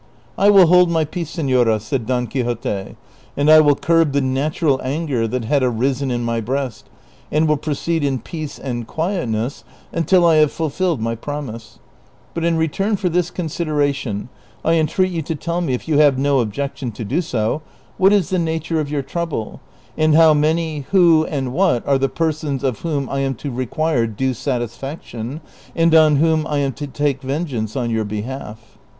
" I will hold my peace, senora," said Don Quixote, '' and I will curb the natural anger that had arisen in my breast, and will proceed in peace and quietness until I have fulfilled my promise ; but in return for this consideration I entreat you to tell me, if you have no objection to do so, what is the nature of your trouble, and how many, who, and what are the persons of whom I am to require due satisfaction, and on whom I am to take vengeance on your behalf